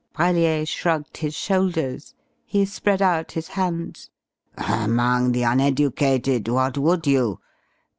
Brellier shrugged his shoulders. He spread out his hands. "Among the uneducated what would you?